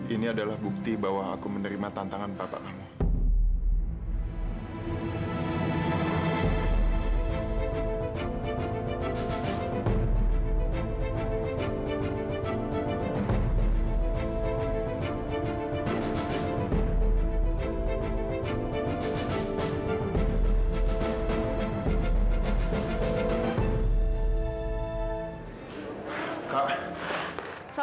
ini adalah bukti bahwa aku menerima tantangan papa kamu